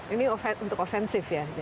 ini untuk offensive ya